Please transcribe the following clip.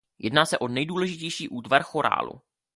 Jedná se o nejdůležitější útvar chorálu.